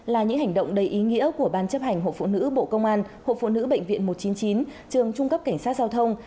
là những hành động đầy ý nghĩa của ban chấp hành hội phụ nữ bộ công an hộ phụ nữ bệnh viện một trăm chín mươi chín trường trung cấp cảnh sát giao thông